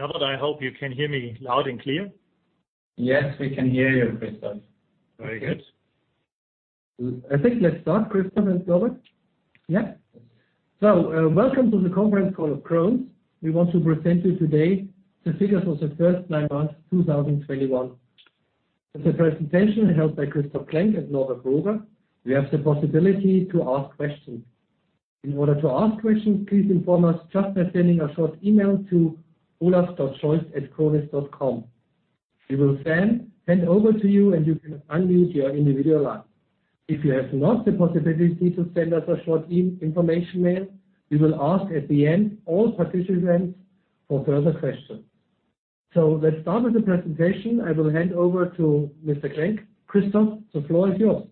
I think let's start, Christoph and Norbert. Yeah. Welcome to the conference call of Krones. We want to present you today the figures for the first nine months, 2021. With the presentation held by Christoph Klenk and Norbert Broger, you have the possibility to ask questions. In order to ask questions, please inform us just by sending a short email to olaf.scholz@krones.com. We will send over to you, and you can unmute your individual line. If you have not the possibility to send us a short information mail, we will ask at the end all participants for further questions. Let's start with the presentation. I will hand over to Mr. Klenk. Christoph, the floor is yours.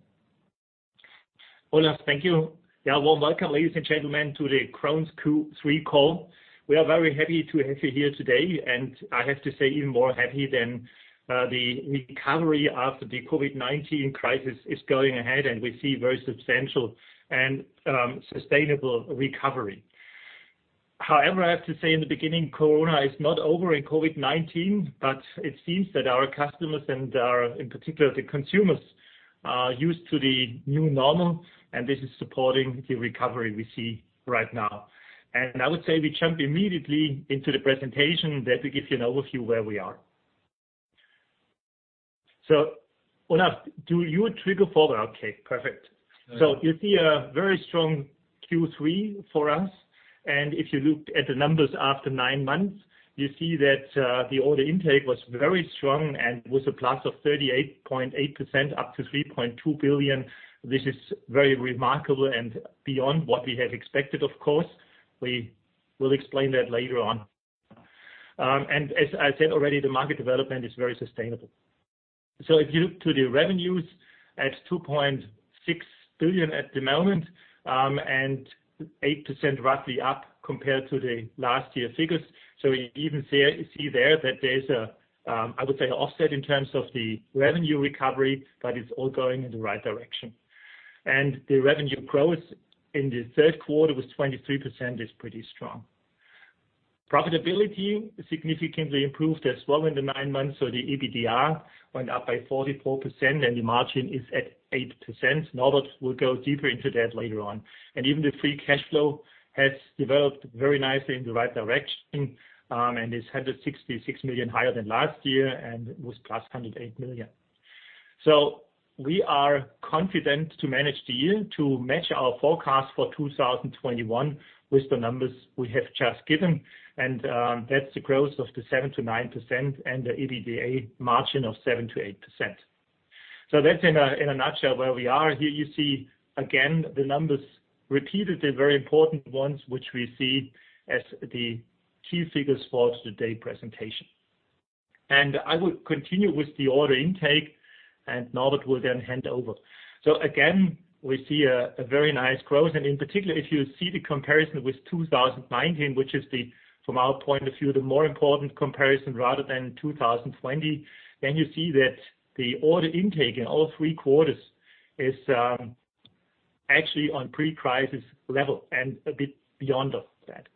Olaf, thank you. Yeah, warm welcome, ladies and gentlemen, to the Krones Q3 call. We are very happy to have you here today, and I have to say even more happy than the recovery after the COVID-19 crisis is going ahead, and we see very substantial and sustainable recovery. However, I have to say in the beginning, Corona is not over and COVID-19, but it seems that our customers and our, in particular, the consumers are used to the new normal, and this is supporting the recovery we see right now. I would say we jump immediately into the presentation that will give you an overview where we are. Olaf, do you trigger forward? Okay, perfect. You see a very strong Q3 for us. If you look at the numbers after nine months, you see that the order intake was very strong and was a plus of 38.8% up to 3.2 billion. This is very remarkable and beyond what we had expected, of course. We will explain that later on. As I said already, the market development is very sustainable. If you look to the revenues at 2.6 billion at the moment, and 8% roughly up compared to the last year figures. You even see there that there's a I would say, an offset in terms of the revenue recovery, but it's all going in the right direction. The revenue growth in the third quarter was 23% is pretty strong. Profitability significantly improved as well in the nine months. The EBITDA went up by 44% and the margin is at 8%. Norbert will go deeper into that later on. Even the free cash flow has developed very nicely in the right direction, and is 166 million higher than last year and was +108 million. We are confident to manage the year to match our forecast for 2021 with the numbers we have just given. That's the growth of 7%-9% and the EBITDA margin of 7%-8%. That's in a nutshell where we are. Here you see again the numbers repeatedly, very important ones, which we see as the key figures for today's presentation. I would continue with the order intake, and Norbert will then hand over. We see a very nice growth. In particular, if you see the comparison with 2019, which is, from our point of view, the more important comparison rather than 2020, then you see that the order intake in all three quarters is actually on pre-crisis level and a bit beyond that.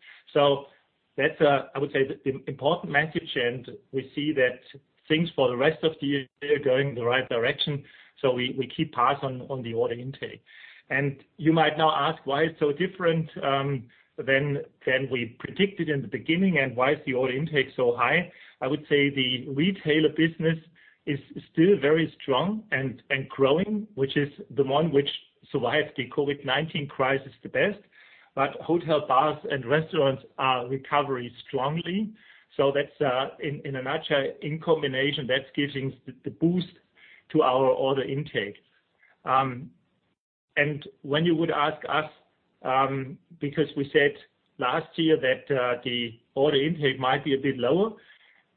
That's, I would say, the important message, and we see that things for the rest of the year going in the right direction. We keep path on the order intake. You might now ask why it's so different than we predicted in the beginning and why is the order intake so high? I would say the retail business is still very strong and growing, which is the one which survived the COVID-19 crisis the best. Hotel, bars, and restaurants are recovering strongly. That's, in a nutshell, in combination, that's giving the boost to our order intake. When you would ask us, because we said last year that the order intake might be a bit lower,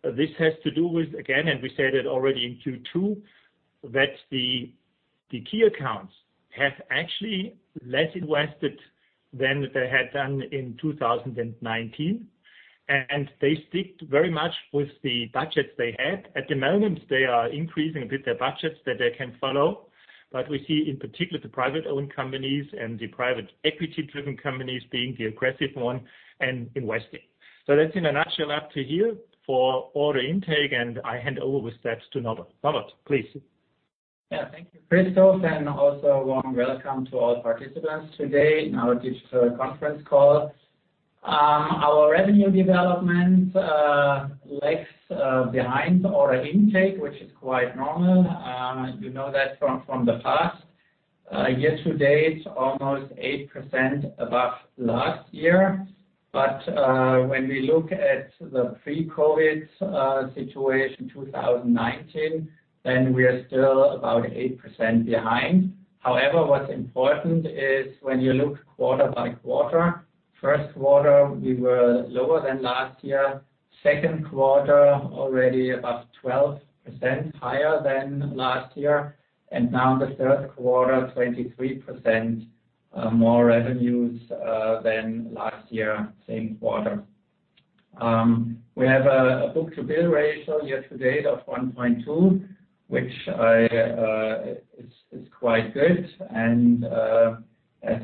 this has to do with again, and we said it already in Q2, that the key accounts have actually less invested than they had done in 2019. They sticked very much with the budgets they had. At the moment, they are increasing a bit their budgets that they can follow. We see in particular the private-owned companies and the private equity-driven companies being the aggressive one and investing. That's in a nutshell up to here for order intake, and I hand over with that to Norbert. Norbert, please. Yeah. Thank you, Christoph, and also warm welcome to all participants today in our digital conference call. Our revenue development lags behind the order intake, which is quite normal. You know that from the past. Year to date, almost 8% above last year. When we look at the pre-COVID situation, 2019, then we are still about 8% behind. However, what's important is when you look quarter by quarter, first quarter we were lower than last year, second quarter already about 12% higher than last year, and now the third quarter, 23%, more revenues than last year, same quarter. We have a book-to-bill ratio year to date of 1.2, which is quite good. As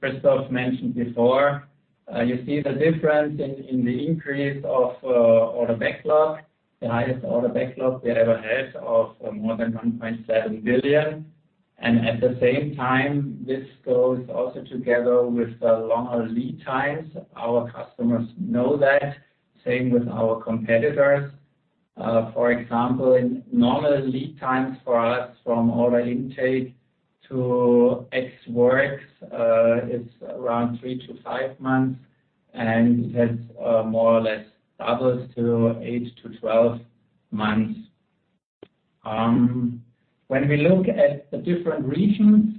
Christoph mentioned before, you see the difference in the increase of order backlog, the highest order backlog we ever had of more than 1.7 billion. At the same time, this goes also together with the longer lead times. Our customers know that, same with our competitors. For example, in normal lead times for us from order intake to ex works is around three to five months, and it has more or less doubled to eight to 12 months. When we look at the different regions,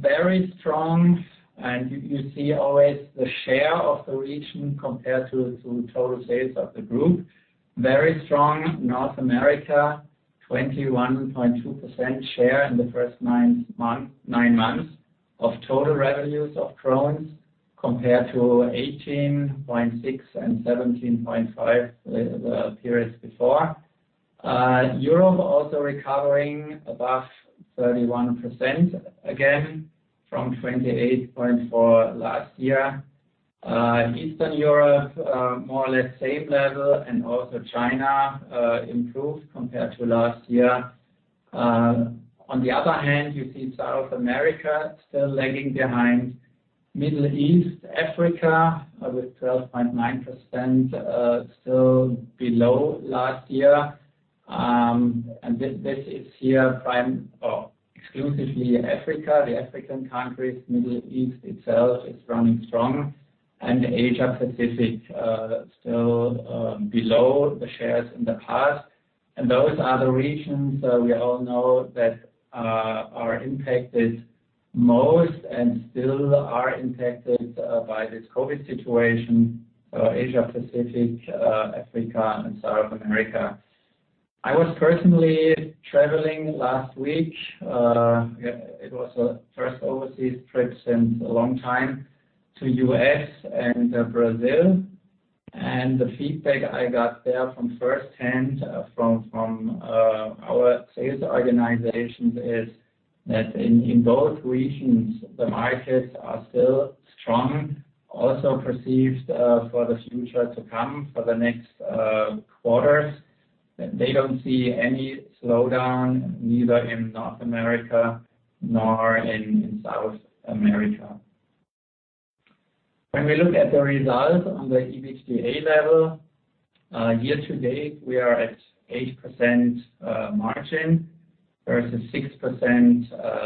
very strong and you see always the share of the region compared to total sales of the group. Very strong North America, 21.2% share in the first nine months of total revenues of Krones compared to 18.6% and 17.5% in the periods before. Europe also recovering above 31% again from 28.4% last year. Eastern Europe more or less same level and also China improved compared to last year. On the other hand, you see South America still lagging behind. Middle East, Africa with 12.9%, still below last year. Exclusively Africa, the African countries. Middle East itself is running strong. Asia Pacific still below the shares in the past. Those are the regions we all know that are impacted most and still are impacted by this COVID situation, Asia Pacific, Africa and South America. I was personally traveling last week, it was a first overseas trip since a long time to U.S. and Brazil. The feedback I got there from firsthand from our sales organizations is that in both regions, the markets are still strong, also perceived for the future to come for the next quarters. They don't see any slowdown, neither in North America nor in South America. When we look at the results on the EBITDA level, year to date, we are at 8% margin versus 6%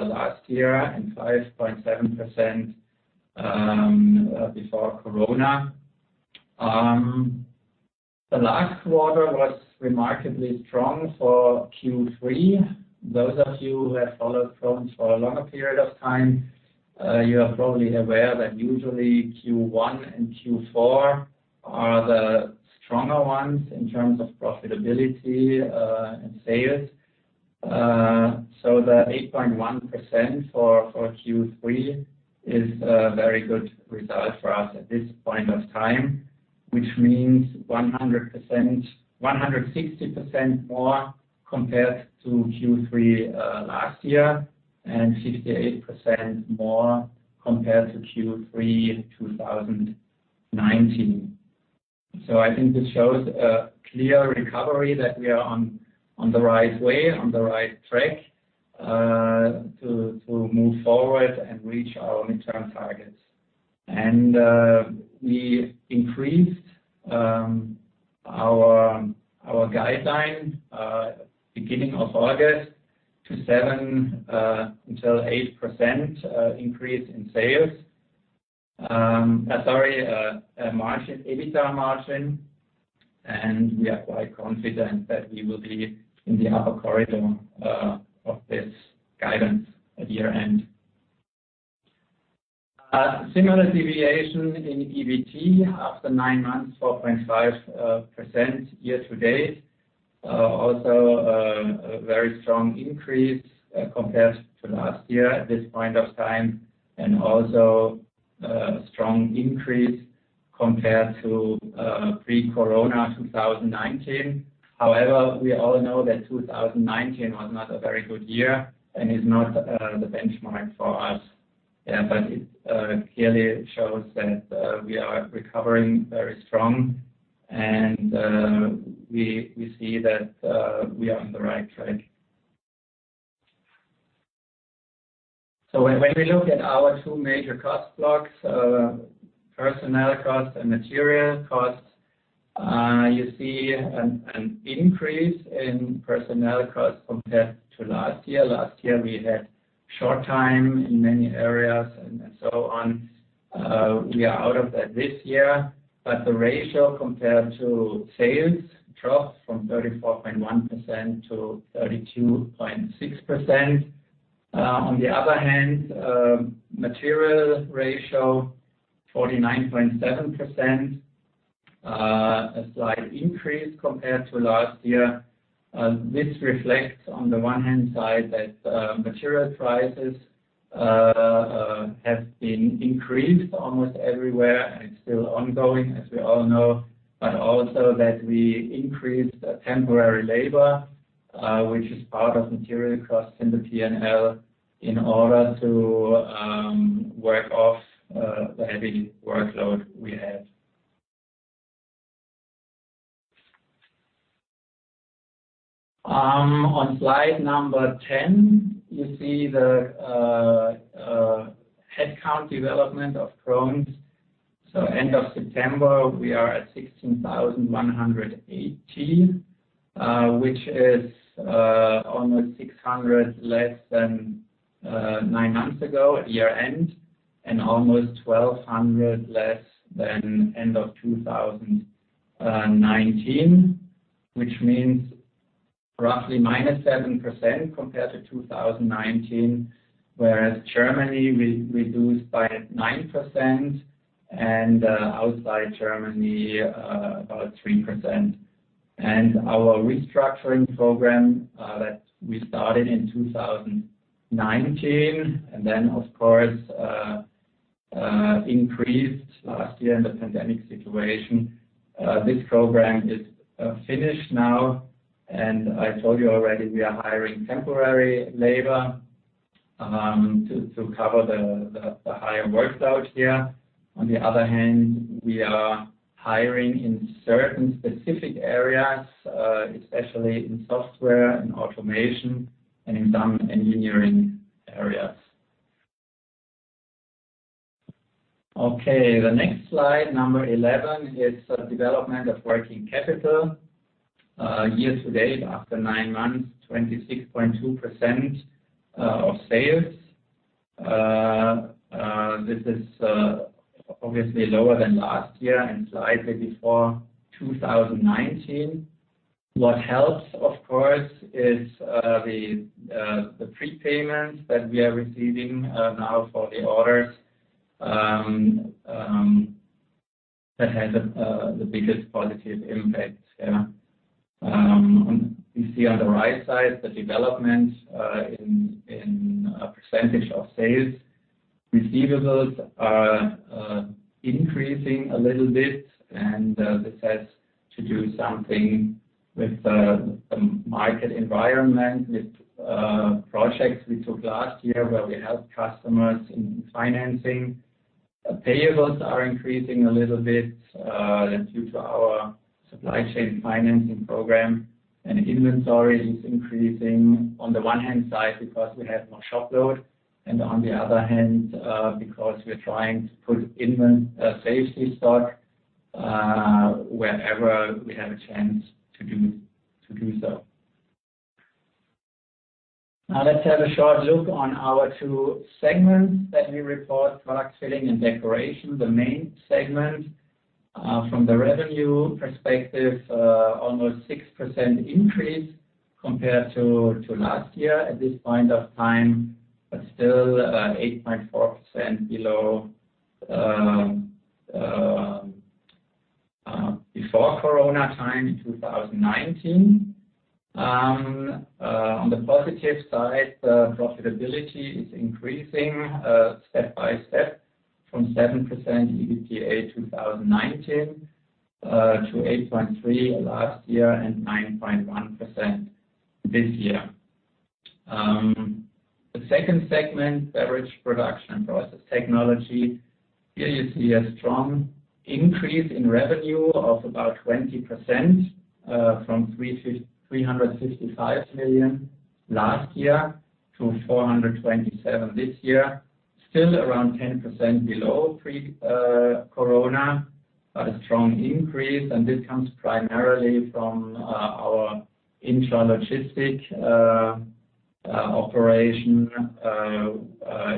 last year and 5.7% before Corona. The last quarter was remarkably strong for Q3. Those of you who have followed Krones for a longer period of time, you are probably aware that usually Q1 and Q4 are the stronger ones in terms of profitability and sales. So the 8.1% for Q3 is a very good result for us at this point of time, which means 160% more compared to Q3 last year, and 68% more compared to Q3 2019. So I think this shows a clear recovery that we are on the right way, on the right track, to move forward and reach our midterm targets. We increased our guideline beginning of August to 7%-8% EBITDA margin. We are quite confident that we will be in the upper corridor of this guidance at year-end. Similar deviation in EBT after nine months, 4.5% year to date. Also, a very strong increase compared to last year at this point of time, and also a strong increase compared to pre-corona 2019. However, we all know that 2019 was not a very good year and is not the benchmark for us. It clearly shows that we are recovering very strong and we see that we are on the right track. When we look at our two major cost blocks, personnel costs and material costs, you see an increase in personnel costs compared to last year. Last year, we had short time in many areas and so on. We are out of that this year, but the ratio compared to sales dropped from 34.1%-32.6%. On the other hand, material ratio, 49.7%. A slight increase compared to last year. This reflects on the one hand side that material prices have been increased almost everywhere, and it's still ongoing, as we all know, but also that we increased temporary labor, which is part of material costs in the P&L, in order to work off the heavy workload we have. On slide number 10, you see the headcount development of Krones. End of September, we are at 16,118, which is almost 600 less than nine months ago at year-end, and almost 1,200 less than end of 2019, which means roughly -7% compared to 2019, whereas Germany we reduced by 9% and outside Germany about 3%. Our restructuring program that we started in 2019 and then of course increased last year in the pandemic situation, this program is finished now. I told you already, we are hiring temporary labor to cover the higher workload here. On the other hand, we are hiring in certain specific areas, especially in software and automation and in some engineering areas. Okay. The next slide, number 11, is development of working capital. Year-to-date, after nine months, 26.2% of sales. This is obviously lower than last year and slightly better than 2019. What helps, of course, is the prepayments that we are receiving now for the orders. That had the biggest positive impact. Yeah. You see on the right side, the development in a percentage of sales. Receivables are increasing a little bit, and this has to do something with the market environment with projects we took last year where we helped customers in financing. Payables are increasing a little bit, that's due to our supply chain financing program. Inventory is increasing on the one hand side because we have more shop load, and on the other hand, because we're trying to put safety stock wherever we have a chance to do so. Now let's have a short look on our two segments that we report, Product Filling and Decoration, the main segment. From the revenue perspective, almost 6% increase compared to last year at this point of time, but still 8.4% below before corona time in 2019. On the positive side, profitability is increasing step by step from 7% EBITDA 2019 to 8.3% last year and 9.1% this year. The second segment, Beverage Production and Process Technology, here you see a strong increase in revenue of about 20%, from 365 million last year to 427 million this year. Still around 10% below pre-corona, but a strong increase. This comes primarily from our intralogistics operation,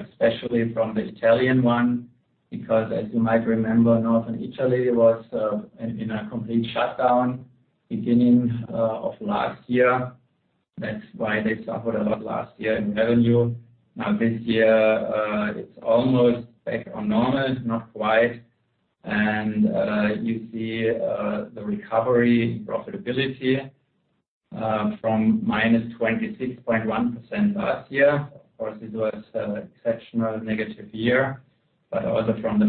especially from the Italian one, because as you might remember, Northern Italy was in a complete shutdown beginning of last year. That's why they suffered a lot last year in revenue. Now this year, it's almost back on normal, not quite. You see the recovery in profitability from -26.1% last year. Of course, it was an exceptional negative year, but also from the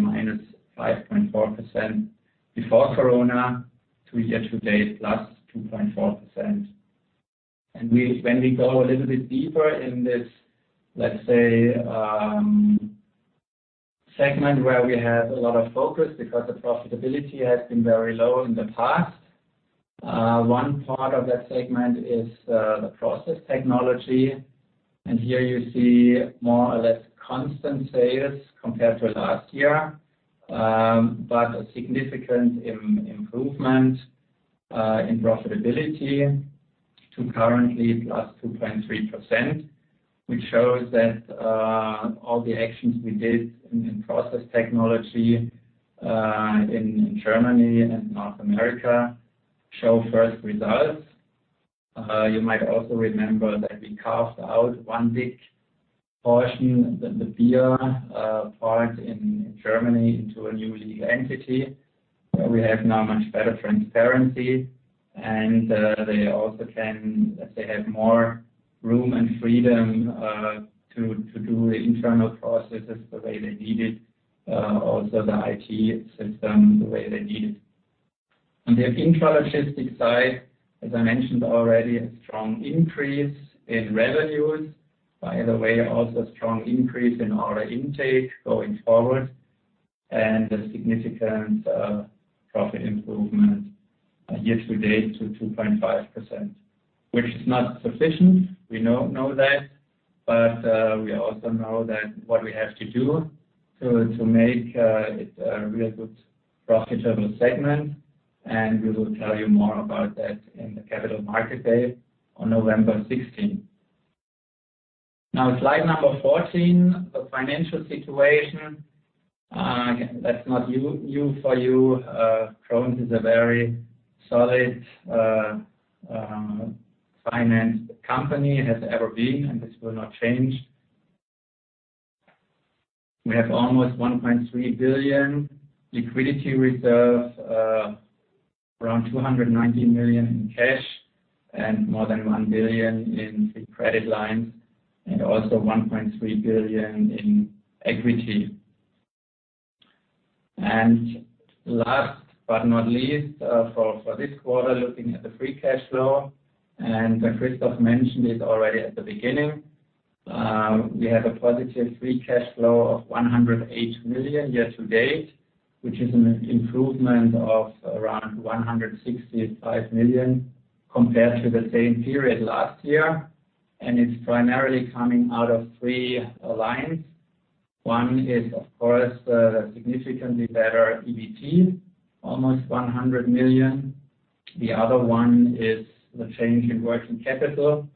-5.4% before Corona to year-to-date +2.4%. When we go a little bit deeper in this, let's say, segment where we have a lot of focus because the profitability has been very low in the past, one part of that segment is the Process Technology. Here you see more or less constant sales compared to last year, but a significant improvement in profitability to currently +2.3%, which shows that all the actions we did in Process Technology in Germany and North America show first results. You might also remember that we carved out one big portion, the beer part in Germany into a new legal entity. We have now much better transparency and they have more room and freedom to do the internal processes the way they need it, also the IT system the way they need it. On the intralogistics side, as I mentioned already, a strong increase in revenues. By the way, also strong increase in order intake going forward and a significant profit improvement year-to-date to 2.5%, which is not sufficient. We know that, but we also know that what we have to do to make it a real good profitable segment, and we will tell you more about that in the Capital Market Day on November 16th. Now, slide number 14, the financial situation. That's not new for you. Krones is a very solidly financed company it has ever been, and this will not change. We have almost 1.3 billion liquidity reserve, around 290 million in cash, and more than 1 billion in the credit lines, and also 1.3 billion in equity. Last but not least, for this quarter, looking at the free cash flow, when Christoph mentioned it already at the beginning, we have a positive free cash flow of 108 million year-to-date, which is an improvement of around 165 million compared to the same period last year. It's primarily coming out of three lines. One is, of course, the significantly better EBT, almost 100 million. The other one is the change in working capital,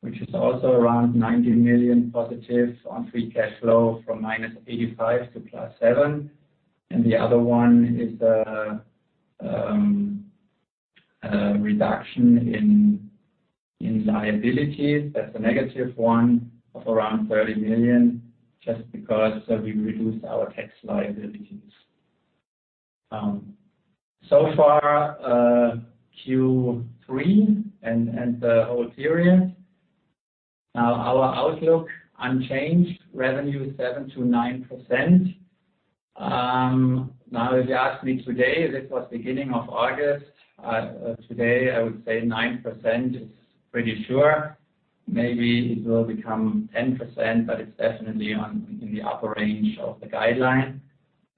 which is also around 90 million+ on free cash flow from -85 million to +7 million. The other one is reduction in liabilities. That's a negative one of around 30 million, just because we reduced our tax liabilities. So far, Q3 and the whole period. Now our outlook unchanged, revenue 7%-9%. Now if you ask me today, this was beginning of August, today I would say 9% is pretty sure. Maybe it will become 10%, but it's definitely in the upper range of the guideline.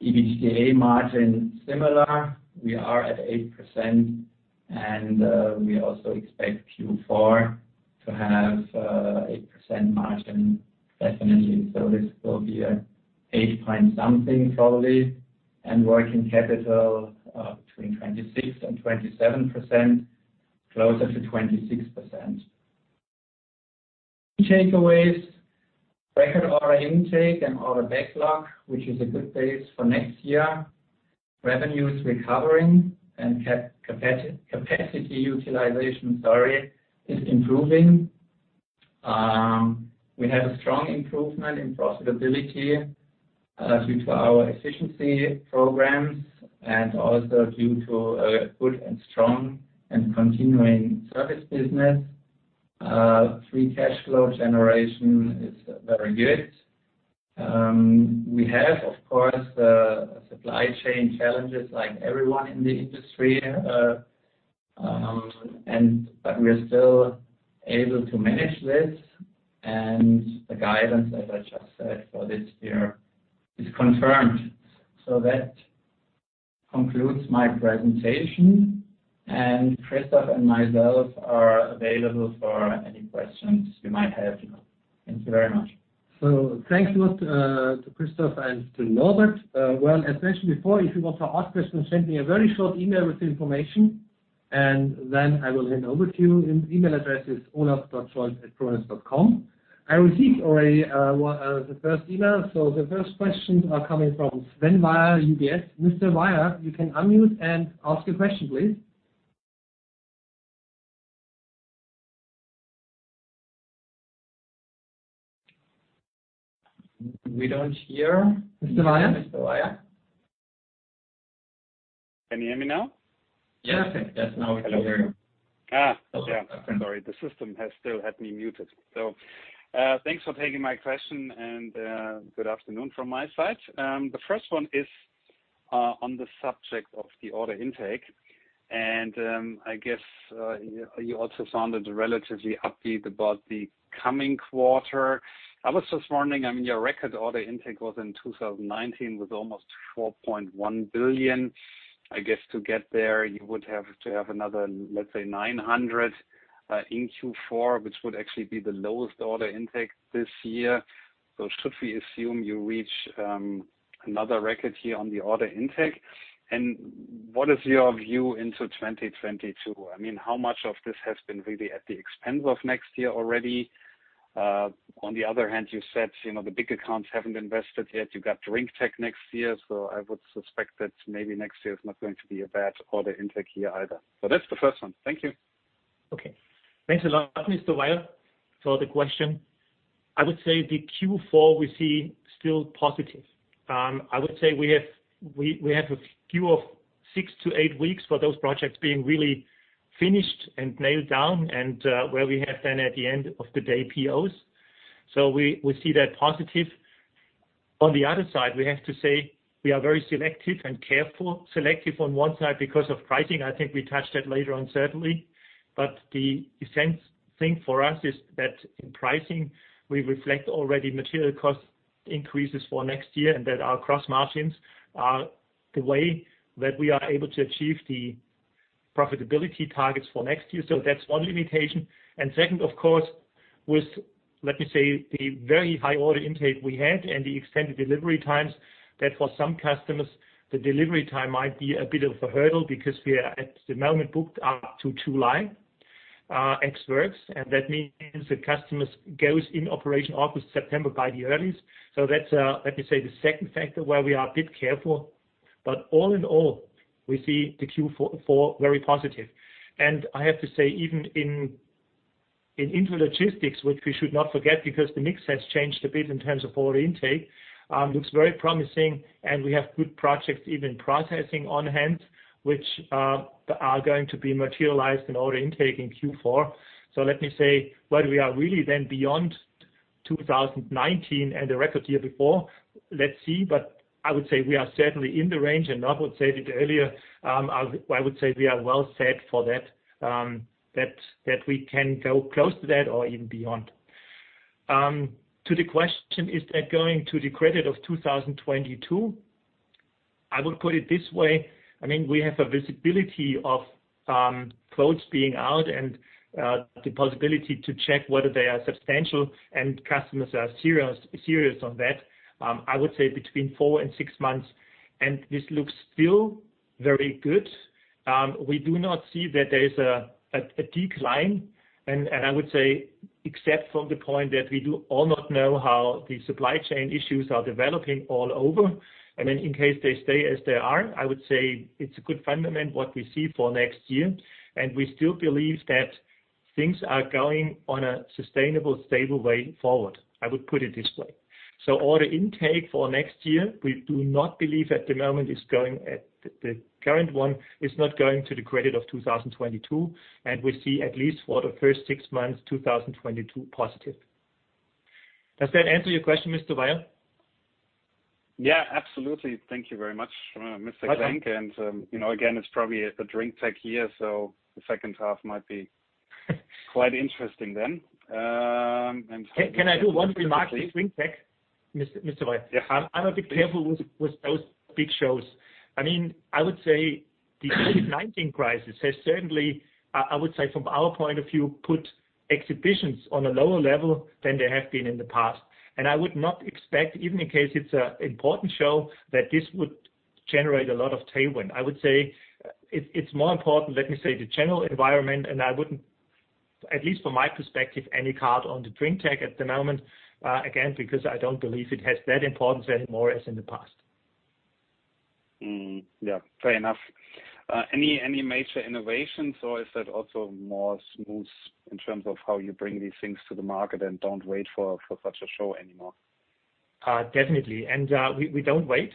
EBITDA margin similar, we are at 8% and we also expect Q4 to have 8% margin definitely. This will be 8-point-something probably. and 27%, closer to 26%. Key takeaways, record order intake and order backlog, which is a good base for next year. Revenue is recovering and capacity utilization is improving. We have a strong improvement in profitability due to our efficiency programs and also due to a good strong and continuing service business. Free cash flow generation is very good. We have, of course, supply chain challenges like everyone in the industry, and we are still able to manage this. The guidance, as I just said for this year, is confirmed. That concludes my presentation, and Christoph and myself are available for any questions you might have. Thank you very much. Thanks a lot to Christoph and to Norbert. As mentioned before, if you want to ask questions, send me a very short email with the information, and then I will hand over to you. Email address is olaf.scholz@krones.com. I received already the first email. The first questions are coming from Sven Weier, UBS. Mr. Weier, you can unmute and ask your question, please. We don't hear Mr. Weier. Mr. Weier. Can you hear me now? Yes. Yes, now we can hear you. Hello. Yeah. Hello. Sorry. The system has still had me muted. Thanks for taking my question and, good afternoon from my side. The first one is on the subject of the order intake, and I guess you also sounded relatively upbeat about the coming quarter. I was just wondering, I mean, your record order intake was in 2019, was almost 4.1 billion. I guess to get there you would have to have another, let's say, 900 million in Q4, which would actually be the lowest order intake this year. Should we assume you reach another record here on the order intake? And what is your view into 2022? I mean, how much of this has been really at the expense of next year already? On the other hand, you said, you know, the big accounts haven't invested yet. You got drinktec next year, so I would suspect that maybe next year is not going to be a bad order intake year either. That's the first one. Thank you. Okay. Thanks a lot, Mr. Weier, for the question. I would say the Q4 we see still positive. I would say we have a few of six to eight weeks for those projects being really finished and nailed down and where we have then at the end of the day, POs. We see that positive. On the other side, we have to say we are very selective and careful. Selective on one side because of pricing. I think we touch that later on, certainly. The essential thing for us is that in pricing, we reflect already material cost increases for next year, and that our gross margins are the way that we are able to achieve the profitability targets for next year. That's one limitation. Second, of course, with, let me say, the very high order intake we had and the extended delivery times, that for some customers, the delivery time might be a bit of a hurdle because we are at the moment booked up to July ex works, and that means the customers goes in operation August, September at the earliest. That's, let me say, the second factor where we are a bit careful. All in all, we see the Q4 very positive. I have to say, even in intralogistics, which we should not forget because the mix has changed a bit in terms of order intake, looks very promising and we have good projects even progressing on hand, which are going to be materialized in order intake in Q4. Let me say, while we are really then beyond 2019 and the record year before, let's see. I would say we are certainly in the range. Norbert would say it earlier, I would say we are well set for that we can go close to that or even beyond. To the question, is that going to the credit of 2022? I would put it this way, I mean, we have a visibility of, quotes being out and, the possibility to check whether they are substantial and customers are serious on that, I would say between four to six months, and this looks still very good. We do not see that there is a decline and I would say except from the point that we do not all know how the supply chain issues are developing all over. Then in case they stay as they are, I would say it's a good fundament, what we see for next year. We still believe that things are going on a sustainable, stable way forward. I would put it this way. Order intake for next year, we do not believe at the moment is going to the detriment of 2022, and we see at least for the first six months, 2022 positive. Does that answer your question, Mr. Weier? Yeah, absolutely. Thank you very much, Mr. Klenk. Welcome. you know, again, it's probably the drinktec year, so the second half might be quite interesting then. Can I do one remark to drinktec, Mr. Weier? Yeah. I'm a bit careful with those big shows. I mean, I would say the COVID-19 crisis has certainly from our point of view put exhibitions on a lower level than they have been in the past. I would not expect, even in case it's an important show, that this would generate a lot of tailwind. I would say it's more important, let me say, the general environment, and I wouldn't, at least from my perspective, put any cards on the drinktec at the moment, again, because I don't believe it has that importance anymore as in the past. Yeah. Fair enough. Any major innovations or is that also more smooth in terms of how you bring these things to the market and don't wait for such a show anymore? Definitely. We don't wait.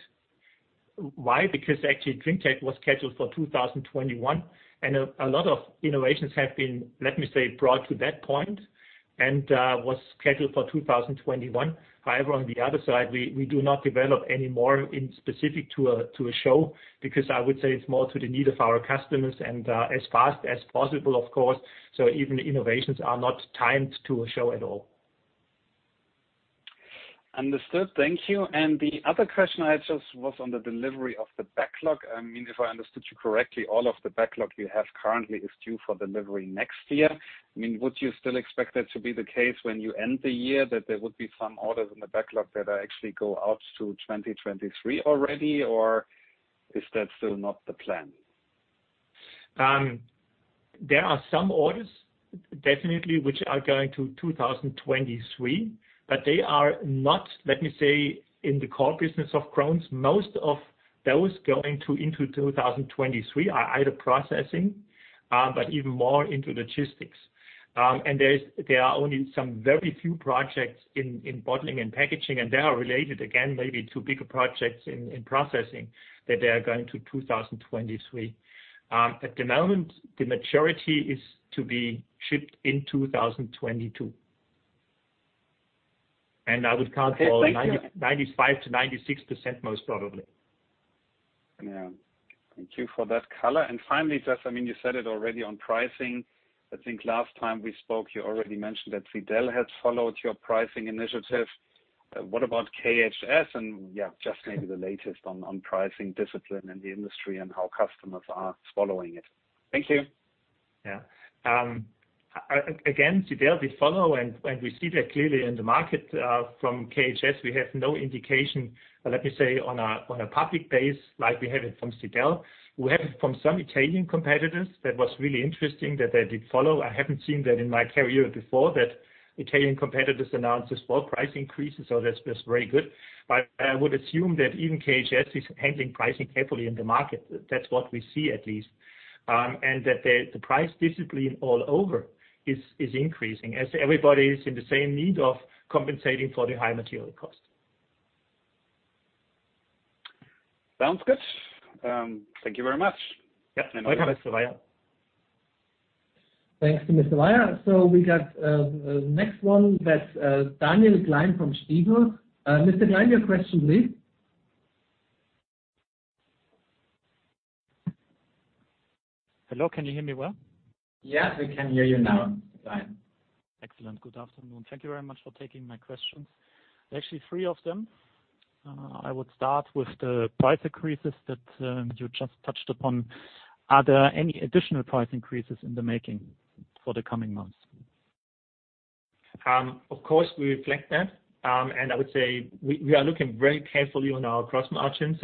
Why? Because actually, drinktec was scheduled for 2021 and a lot of innovations have been, let me say, brought to that point. However, on the other side, we do not develop any more in specific to a show because I would say it's more to the need of our customers and as fast as possible, of course. Even innovations are not timed to a show at all. Understood. Thank you. The other question I had just was on the delivery of the backlog. I mean, if I understood you correctly, all of the backlog you have currently is due for delivery next year. I mean, would you still expect that to be the case when you end the year, that there would be some orders in the backlog that are actually go out to 2023 already, or is that still not the plan? There are some orders definitely which are going to 2023, but they are not, let me say, in the core business of Krones. Most of those going into 2023 are either processing, but even more into logistics. There are only some very few projects in bottling and packaging, and they are related again, maybe to bigger projects in processing that they are going to 2023. At the moment, the majority is to be shipped in 2022. I would count for- Okay. Thank you.... 90, 95%-96% most probably. Yeah. Thank you for that color. Finally, just, I mean, you said it already on pricing. I think last time we spoke, you already mentioned that Sidel had followed your pricing initiative. What about KHS? Yeah, just maybe the latest on pricing discipline in the industry and how customers are following it. Thank you. Yeah. Again, Sidel, we follow and we see that clearly in the market from KHS. We have no indication, let me say, on a public base like we have it from Sidel. We have it from some Italian competitors. That was really interesting that they did follow. I haven't seen that in my career before, that Italian competitors announced as well price increases, so that's very good. I would assume that even KHS is handling pricing carefully in the market. That's what we see at least, and that the price discipline all over is increasing as everybody is in the same need of compensating for the high material costs. Sounds good. Thank you very much. Yeah. Thank you. Thanks, Mr. Weier. We got next one that's Daniel Gleim from Stifel. Mr. Gleim, your question please. Hello, can you hear me well? Yeah, we can hear you now, Daniel. Excellent. Good afternoon. Thank you very much for taking my questions. Actually, three of them. I would start with the price increases that you just touched upon. Are there any additional price increases in the making for the coming months? Of course we reflect that. I would say we are looking very carefully on our gross margins.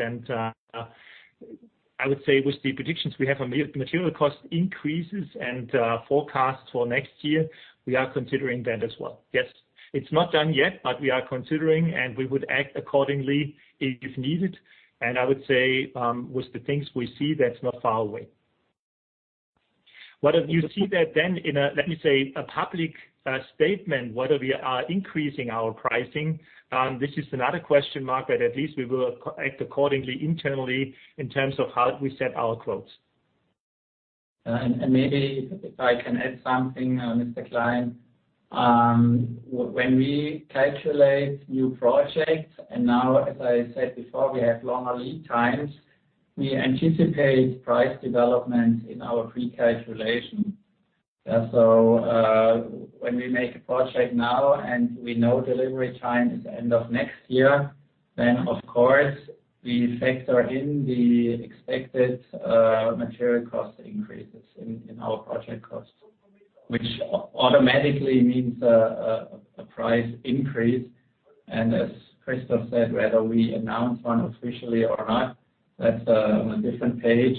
I would say with the predictions we have material cost increases and forecasts for next year, we are considering that as well. Yes. It's not done yet, but we are considering, and we would act accordingly if needed. I would say with the things we see, that's not far away. Whether you see that then in a, let me say, a public statement, whether we are increasing our pricing, this is another question mark, but at least we will act accordingly internally in terms of how we set our quotes. Maybe if I can add something, Mr. Gleim. When we calculate new projects, now as I said before, we have longer lead times, we anticipate price development in our precalculation. When we make a project now and we know delivery time is end of next year, then of course we factor in the expected material cost increases in our project costs, which automatically means a price increase. As Christoph said, whether we announce one officially or not, that's on a different page.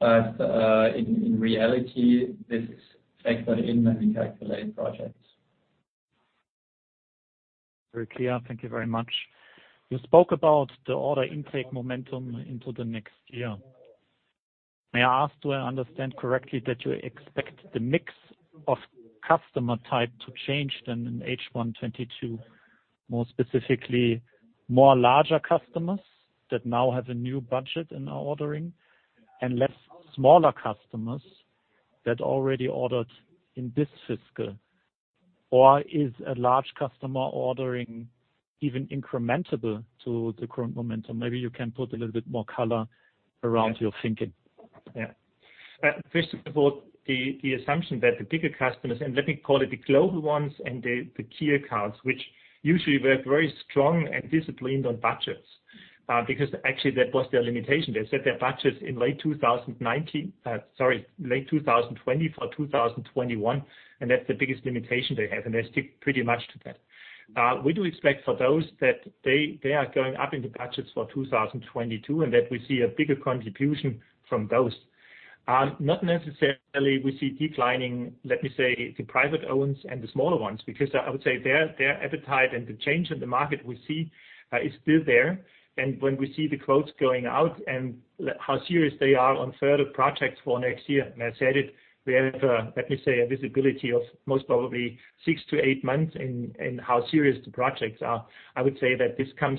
In reality, this is factored in when we calculate projects. Very clear. Thank you very much. You spoke about the order intake momentum into the next year. May I ask, do I understand correctly that you expect the mix of customer type to change then in H1 2022? More specifically, more larger customers that now have a new budget and are ordering, and less smaller customers that already ordered in this fiscal. Or is a large customer ordering even incrementable to the current momentum? Maybe you can put a little bit more color around your thinking. Yeah. First of all, the assumption that the bigger customers, and let me call it the global ones and the key accounts, which usually work very strong and disciplined on budgets, because actually that was their limitation. They set their budgets in late 2020 for 2021, and that's the biggest limitation they have, and they stick pretty much to that. We do expect for those that they are going up in the budgets for 2022, and that we see a bigger contribution from those. Not necessarily we see declining, let me say, the private ones and the smaller ones, because I would say their appetite and the change in the market we see is still there. When we see the quotes going out and how serious they are on further projects for next year, and I said it, we have, let me say a visibility of most probably six to eight months in how serious the projects are. I would say that this comes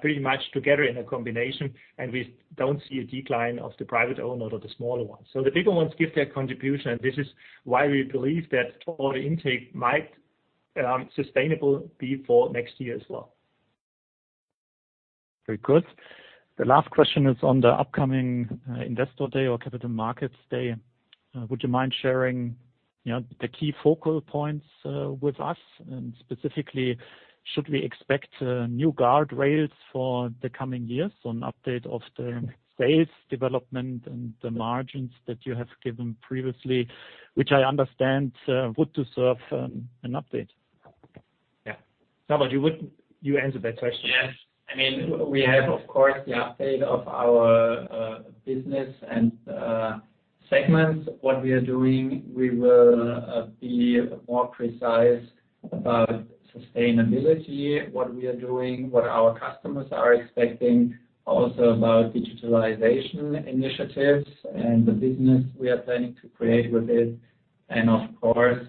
pretty much together in a combination, and we don't see a decline of the private owner or the smaller ones. The bigger ones give their contribution. This is why we believe that total intake might sustainably be for next year as well. Very good. The last question is on the upcoming investor day or Capital Market Day. Would you mind sharing, you know, the key focal points with us? Specifically, should we expect new guard rails for the coming years, an update of the sales development and the margins that you have given previously, which I understand would deserve an update. Yeah. Norbert, you would answer that question? Yes. I mean, we have of course the update of our business and segments. What we are doing, we will be more precise about sustainability, what we are doing, what our customers are expecting, also about digitalization initiatives and the business we are planning to create with it. Of course,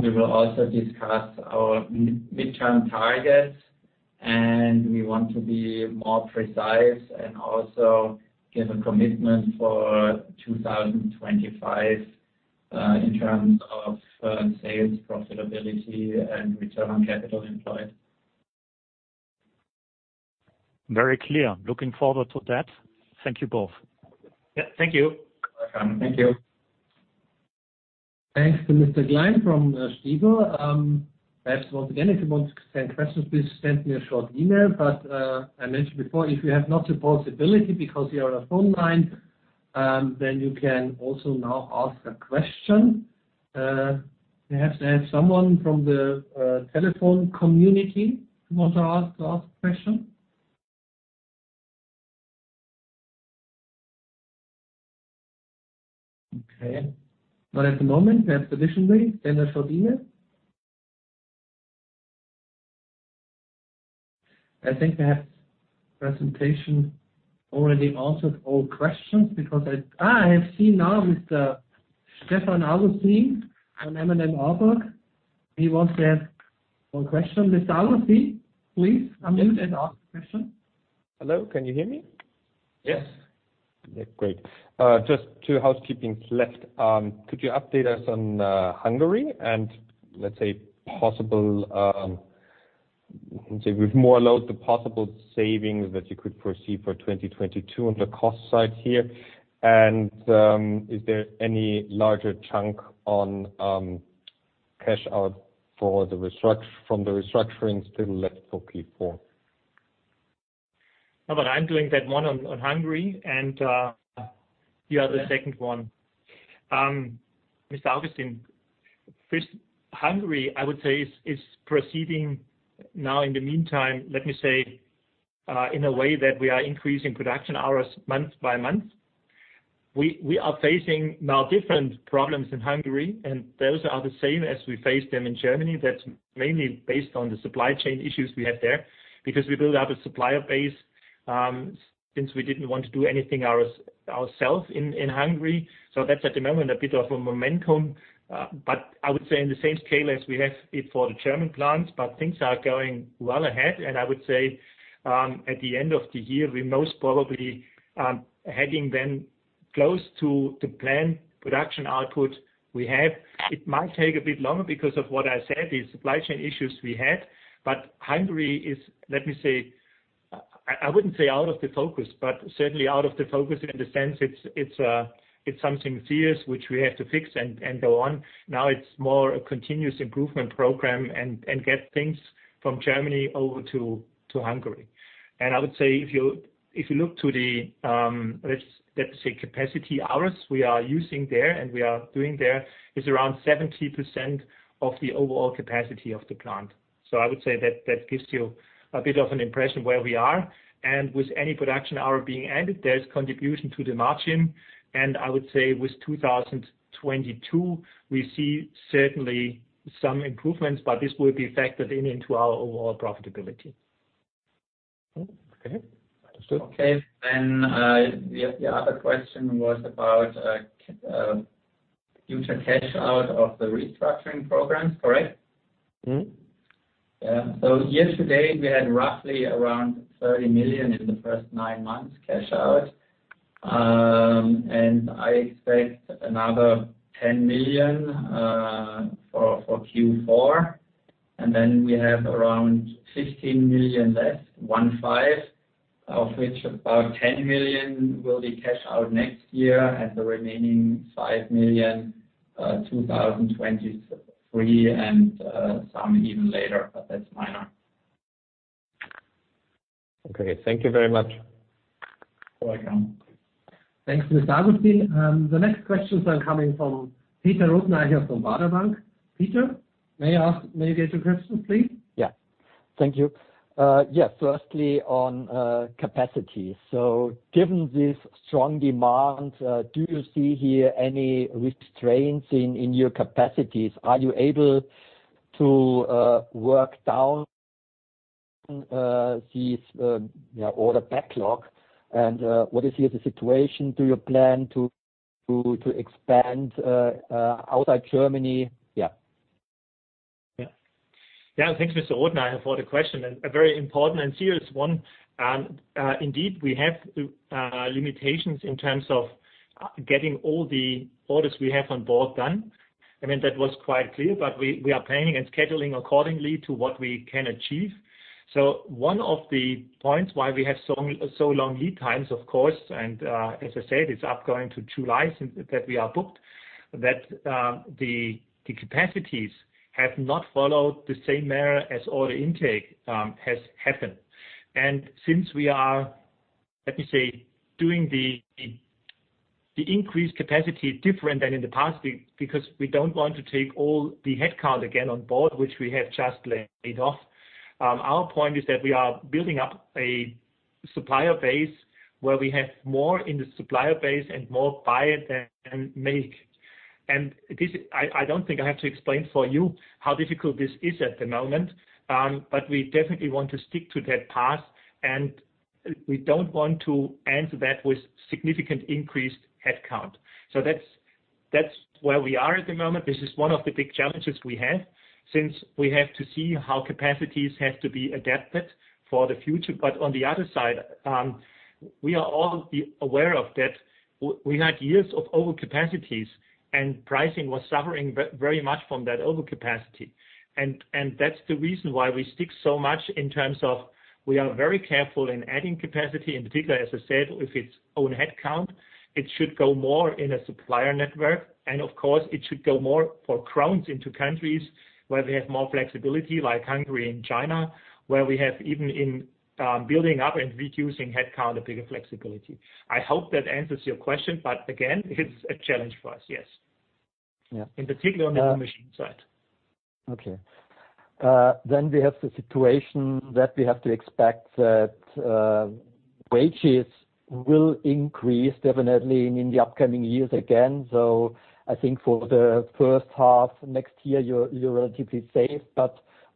we will also discuss our midterm targets, and we want to be more precise and also give a commitment for 2025, in terms of sales, profitability and return on capital employed. Very clear. Looking forward to that. Thank you both. Yeah, thank you. Welcome. Thank you. Thanks to Mr. Gleim from Stifel. Perhaps once again, if you want to send questions, please send me a short email. I mentioned before, if you have not the possibility because you're on a phone line, then you can also now ask a question. Perhaps I have someone from the telephone community who wants to ask a question. Okay. Not at the moment. Perhaps additionally, send a short email. I think that presentation already answered all questions because I have seen now Mr. Stefan Augustin from M.M. Warburg. He wants to ask one question. Mr. Augustin, please unmute and ask the question. Hello, can you hear me? Yes. Yeah, great. Just two housekeepings left. Could you update us on Hungary and, let's say, with more load, the possible savings that you could foresee for 2022 on the cost side here? Is there any larger chunk on cash-out from the restructuring still left for Q4? No, I'm doing that one on Hungary and you are the second one. Mr. Augustin, first, Hungary, I would say, is proceeding now in the meantime, let me say, in a way that we are increasing production hours month by month. We are facing now different problems in Hungary, and those are the same as we faced them in Germany. That's mainly based on the supply chain issues we have there because we build out a supplier base, since we didn't want to do anything ourselves in Hungary. That's at the moment a bit of a momentum. I would say in the same scale as we have it for the German plants, but things are going well ahead. I would say at the end of the year, we most probably heading then close to the planned production output we have. It might take a bit longer because of what I said, the supply chain issues we had. Hungary is, let me say, I wouldn't say out of the focus, but certainly out of the focus in the sense it's something serious which we have to fix and go on. Now it's more a continuous improvement program and get things from Germany over to Hungary. I would say if you look to the, let's say capacity hours we are using there and we are doing there, is around 70% of the overall capacity of the plant. I would say that gives you a bit of an impression where we are. With any production hour being added, there's contribution to the margin. I would say with 2022, we see certainly some improvements, but this will be factored in into our overall profitability. Okay. Understood. Okay. The other question was about future cash out of the restructuring programs, correct? Mm-hmm. Year to date, we had roughly around 30 million in the first nine months cash out. I expect another 10 million for Q4. We have around 15 million left, of which about 10 million will be cashed out next year, and the remaining 5 million in 2023 and some even later, but that's minor. Okay. Thank you very much. You're welcome. Thanks, Mr. Augustin. The next questions are coming from Peter Rothenaicher from Baader Bank. Peter, may you get your questions, please? Yeah. Thank you. Firstly, on capacity. Given this strong demand, do you see here any constraints in your capacities? Are you able to work down these order backlog? What is here the situation? Do you plan to expand outside Germany? Yeah. Thanks, Mr. Rothenaicher, for the question, and a very important and serious one. Indeed, we have limitations in terms of getting all the orders we have on board done. I mean, that was quite clear, but we are planning and scheduling according to what we can achieve. One of the points why we have so long lead times, of course, and as I said, we are booked up to July. The capacities have not followed the same rate as order intake has happened. Since we are, let me say, doing the increased capacity different than in the past, because we don't want to take all the headcount again on board, which we have just laid off. Our point is that we are building up a supplier base where we have more in the supplier base and more buy than make. This, I don't think I have to explain for you how difficult this is at the moment. We definitely want to stick to that path, and we don't want to answer that with significant increased headcount. That's where we are at the moment. This is one of the big challenges we have since we have to see how capacities have to be adapted for the future. On the other side, we are all aware of that we had years of overcapacities and pricing was suffering very much from that overcapacity. That's the reason why we stick so much in terms of we are very careful in adding capacity, in particular, as I said, if it's own headcount, it should go more in a supplier network. Of course, it should go more for Krones into countries where they have more flexibility, like Hungary and China, where we have even in building up and reducing headcount, a bigger flexibility. I hope that answers your question. Again, it's a challenge for us, yes. Yeah. In particular on the commission side. Okay. We have the situation that we have to expect that wages will increase definitely in the upcoming years again. I think for the first half next year, you're relatively safe.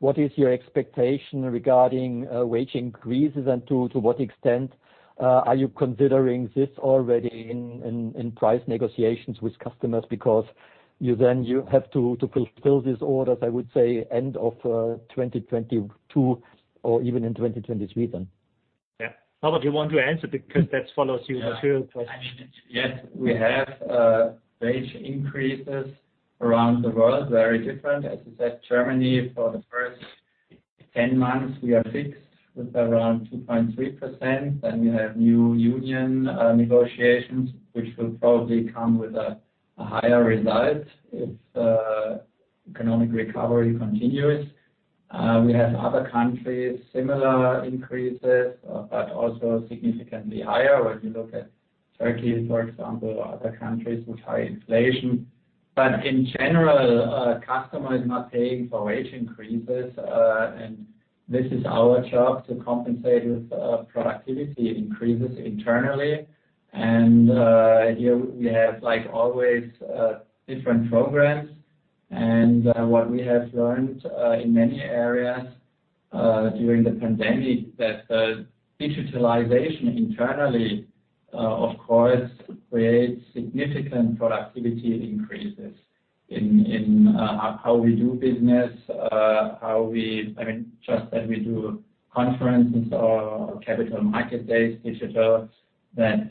What is your expectation regarding wage increases, and to what extent are you considering this already in price negotiations with customers? Because you then have to fulfill these orders, I would say end of 2022 or even in 2023 then. Yeah. Norbert, you want to answer because that follows your material question. I mean, yes, we have wage increases around the world, very different. As I said, Germany for the first 10 months, we are fixed with around 2.3%. Then we have new union negotiations, which will probably come with a higher result if economic recovery continues. We have other countries, similar increases, but also significantly higher when you look at Turkey, for example, or other countries with high inflation. In general, a customer is not paying for wage increases, and this is our job to compensate with productivity increases internally. Here we have, like always, different programs. What we have learned in many areas during the pandemic, that digitalization internally of course creates significant productivity increases in how we do business, I mean, just that we do conferences or Capital Market Days digital, that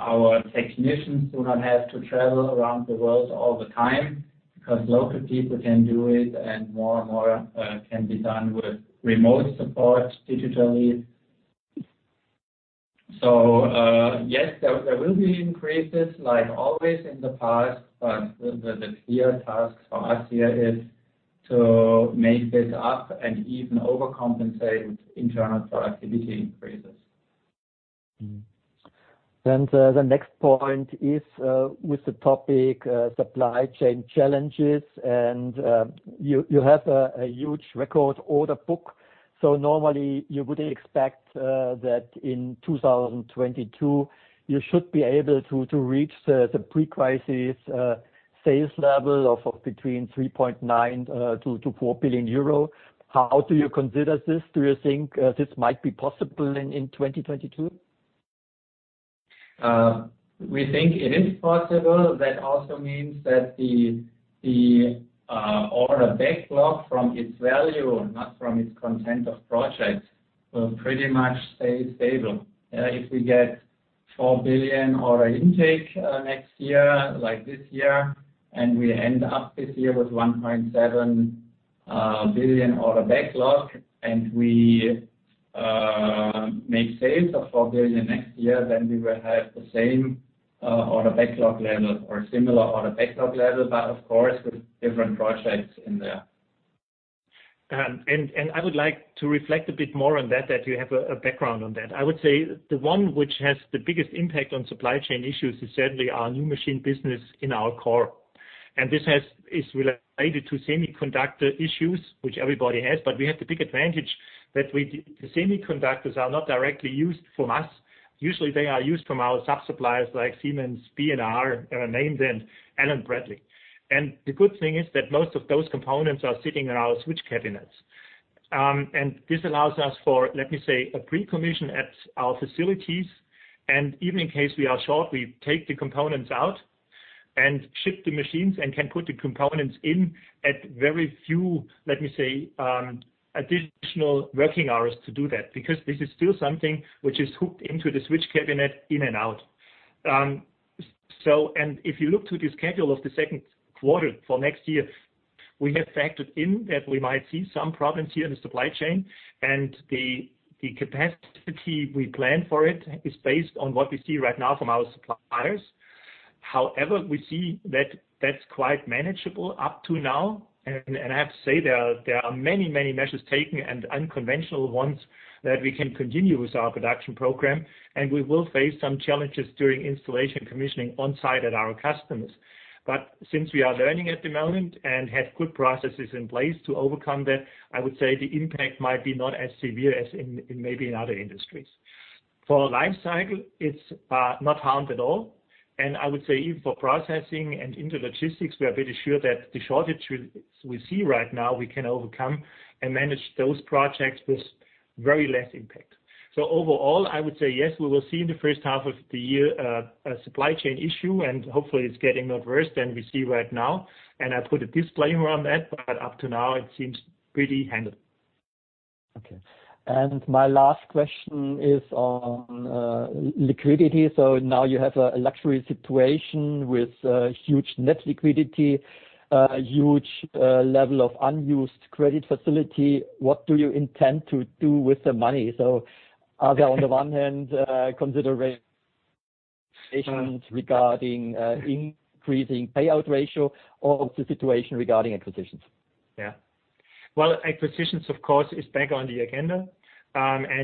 our technicians do not have to travel around the world all the time because local people can do it, and more and more can be done with remote support digitally. So yes, there will be increases like always in the past, but the clear task for us here is to make this up and even overcompensate with internal productivity increases. The next point is with the topic supply chain challenges, and you have a huge record order book. Normally you would expect that in 2022, you should be able to reach the pre-crisis sales level of between 3.9 billion-4 billion euro. How do you consider this? Do you think this might be possible in 2022? We think it is possible. That also means that the order backlog from its value, not from its content of projects, will pretty much stay stable. If we get 4 billion order intake next year, like this year, and we end up this year with 1.7 billion order backlog, and we make sales of 4 billion next year, then we will have the same order backlog level or similar order backlog level, but of course, with different projects in there. I would like to reflect a bit more on that you have a background on that. I would say the one which has the biggest impact on supply chain issues is certainly our new machine business in our core. This is related to semiconductor issues, which everybody has. But we have the big advantage that the semiconductors are not directly used from us. Usually, they are used from our sub-suppliers like Siemens, B&R, named, and Allen-Bradley. And the good thing is that most of those components are sitting in our switch cabinets. This allows us for, let me say, a pre-commission at our facilities. Even in case we are short, we take the components out and ship the machines and can put the components in at very few, let me say, additional working hours to do that, because this is still something which is hooked into the switch cabinet in and out. If you look to the schedule of the second quarter for next year, we have factored in that we might see some problems here in the supply chain. The capacity we plan for it is based on what we see right now from our suppliers. However, we see that that's quite manageable up to now. I have to say there are many measures taken and unconventional ones that we can continue with our production program, and we will face some challenges during installation commissioning on site at our customers. Since we are learning at the moment and have good processes in place to overcome that, I would say the impact might be not as severe as in maybe in other industries. For life cycle, it's not harmed at all. I would say even for processing and intralogistics, we are pretty sure that the shortage we see right now, we can overcome and manage those projects with very less impact. Overall, I would say yes, we will see in the first half of the year a supply chain issue, and hopefully it's getting not worse than we see right now. I put a disclaimer on that, but up to now, it seems pretty handled. Okay. My last question is on liquidity. Now you have a luxury situation with huge net liquidity, a huge level of unused credit facility. What do you intend to do with the money? Are there, on the one hand, consideration regarding increasing payout ratio or the situation regarding acquisitions? Yeah. Well, acquisitions of course is back on the agenda.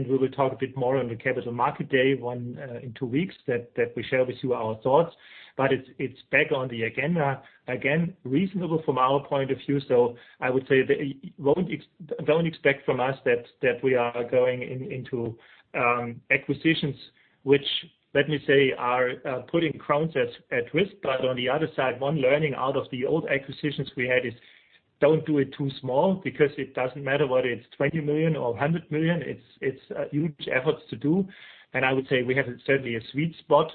We will talk a bit more on the Capital Market Day in two weeks that we share with you our thoughts. It's back on the agenda. Again, reasonable from our point of view. I would say that don't expect from us that we are going into acquisitions, which let me say are putting Krones at risk. On the other side, one learning out of the old acquisitions we had is, don't do it too small because it doesn't matter whether it's 20 million or 100 million, it's a huge efforts to do. I would say we have certainly a sweet spot,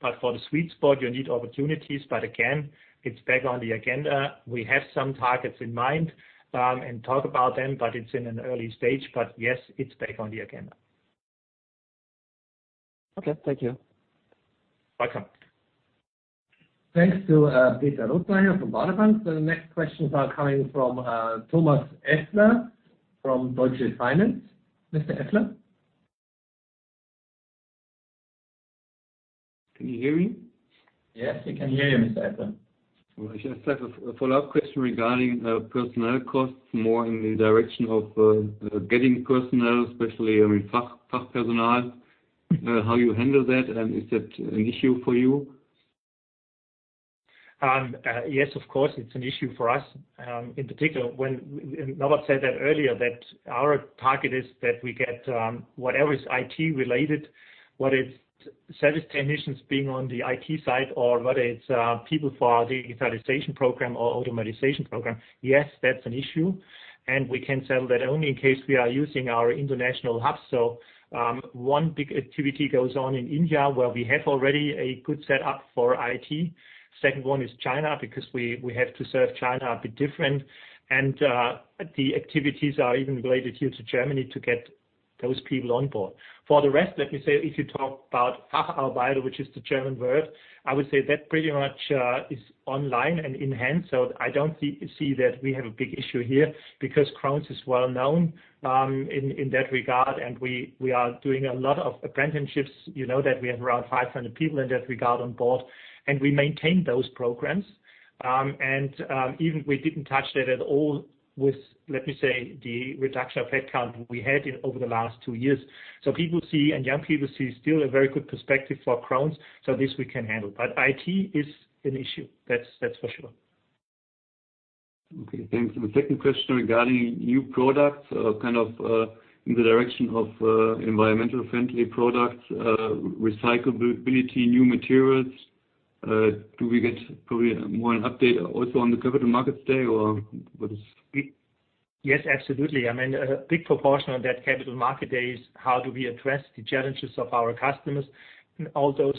but for the sweet spot, you need opportunities. Again, it's back on the agenda. We have some targets in mind, and talk about them, but it's in an early stage. Yes, it's back on the agenda. Okay. Thank you. Welcome. Thanks to Peter Rothenaicher from Baader Bank. The next questions are coming from Thomas Effler from Deutsche Bank. Mr. Effler. Can you hear me? Yes, we can hear you, Mr. Effler. Well, I just have a follow-up question regarding personnel costs, more in the direction of getting personnel, especially, I mean, Fachpersonal, how you handle that, and is that an issue for you? Yes, of course, it's an issue for us. In particular, and Norbert said that earlier, that our target is that we get whatever is IT related, whether it's service technicians being on the IT side or whether it's people for the digitization program or automation program. Yes, that's an issue, and we can sell that only in case we are using our international hubs. One big activity goes on in India where we have already a good setup for IT. Second one is China, because we have to serve China a bit different. The activities are even related here to Germany to get those people on board. For the rest, let me say, if you talk about Facharbeiter, which is the German word, I would say that pretty much is online and enhanced. I don't see that we have a big issue here because Krones is well known in that regard. We are doing a lot of apprenticeships. You know that we have around 500 people in that regard on board, and we maintain those programs. Even we didn't touch that at all with, let me say, the reduction of headcount we had over the last two years. People see, and young people see still a very good perspective for Krones. This we can handle. But IT is an issue, that's for sure. Okay, thanks. The second question regarding new products, kind of, in the direction of environmentally friendly products, recyclability, new materials. Do we get probably more of an update also on the Capital Market Day or what is- Yes, absolutely. I mean, a big proportion of that Capital Market Day is how do we address the challenges of our customers. Although,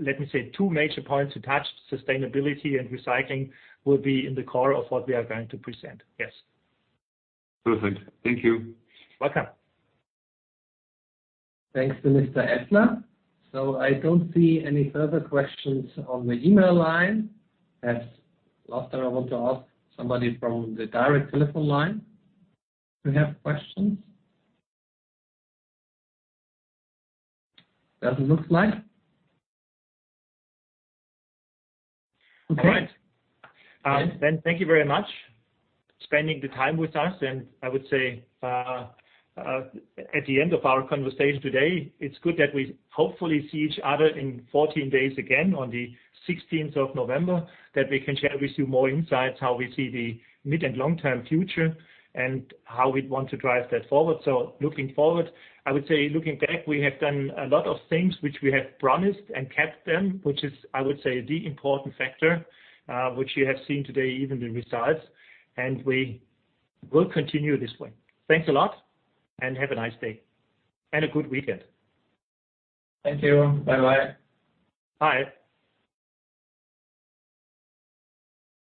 let me say two major points attached, sustainability and recycling will be in the core of what we are going to present. Yes. Perfect. Thank you. Welcome. Thanks, Mr. Effler. I don't see any further questions on the email line. As last time I want to ask somebody from the direct telephone line, if you have questions. Doesn't look like. Okay. All right. Thank you very much for spending the time with us and I would say, at the end of our conversation today, it's good that we hopefully see each other in 14 days again on the 16th of November, that we can share with you more insights, how we see the mid and long-term future, and how we'd want to drive that forward. Looking forward. I would say looking back, we have done a lot of things which we have promised and kept them, which is, I would say, the important factor, which you have seen today, even the results. We will continue this way. Thanks a lot and have a nice day and a good weekend. Thank you. Bye-bye. Bye.